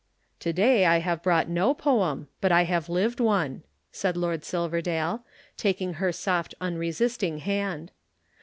"To day I have brought no poem, but I have lived one," said Lord Silverdale, taking her soft unresisting hand.